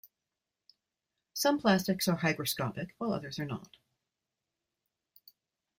Some plastics are hygroscopic while others are not.